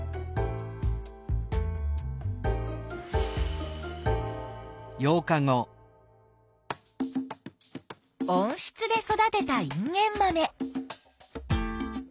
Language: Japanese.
温室で育てたインゲンマメ。